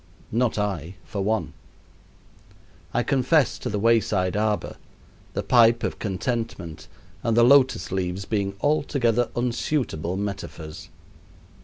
Not I, for one. I confess to the wayside arbor, the pipe of contentment, and the lotus leaves being altogether unsuitable metaphors.